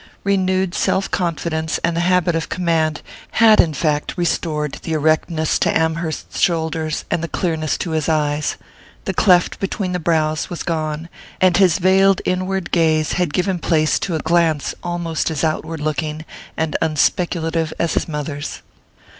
Renewed self confidence, and the habit of command, had in fact restored the erectness to Amherst's shoulders and the clearness to his eyes. The cleft between the brows was gone, and his veiled inward gaze had given place to a glance almost as outward looking and unspeculative as his mother's.